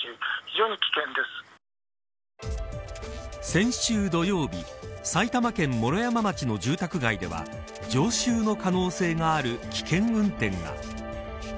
先週土曜日埼玉県毛呂山町の住宅街では常習の可能性がある危険運転が。